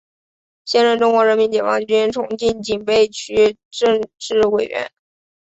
现任中国人民解放军重庆警备区政治委员。